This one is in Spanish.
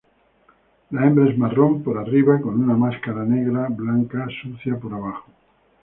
La hembra es marrón por arriba con una máscara negra; blanco sucio por abajo.